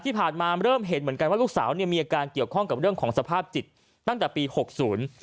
ที่ผ่านมาเริ่มเห็นเหมือนกันว่าลูกสาวเนี่ยมีอาการเกี่ยวข้องกับเรื่องของสภาพจิตตั้งแต่ปีหกศูนย์